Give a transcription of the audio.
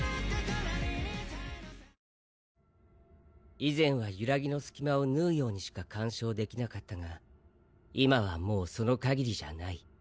以前は揺らぎの隙間を縫うようにしか干渉できなかったが今はもうその限りじゃない。